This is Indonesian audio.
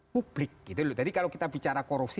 publik jadi kalau kita bicara korupsi